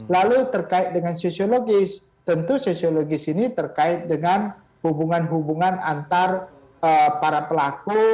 lalu terkait dengan sosiologis tentu sosiologis ini terkait dengan hubungan hubungan antar para pelaku